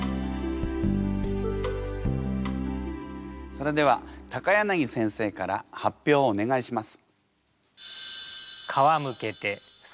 それでは柳先生から発表をお願いします。